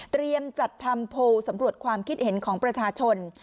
จัดทำโพลสำรวจความคิดเห็นของประชาชน